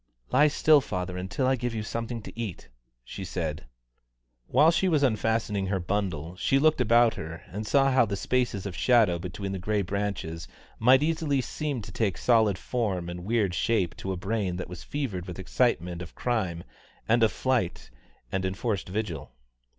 "Lie still, father, until I give you something to eat," she said. While she was unfastening her bundle, she looked about her, and saw how the spaces of shadow between the grey branches might easily seem to take solid form and weird shape to a brain that was fevered with excitement of crime and of flight and enforced vigil.